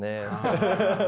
ハハハハハ。